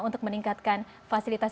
untuk meningkatkan fasilitas